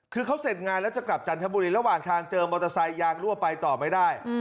คือเขาเสร็จงานแล้วจะกลับจันทบุรีระหว่างทางเจอมอเตอร์ไซค์ยางรั่วไปต่อไม่ได้